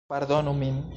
Pardonu min...